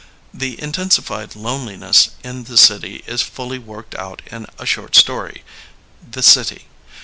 The intensified loneliness in the city is fully worked out in a short story, The City.